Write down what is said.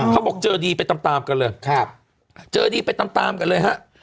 เขาบอกเจอดีไปตามกันเลยเจอดีไปตามกันเลยฮะ